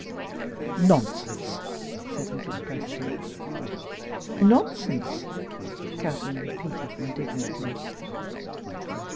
"Nonsense!" said Mrs. Presty. "Nonsense?" Catherine repeated indignantly.